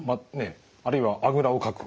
あるいはあぐらをかく。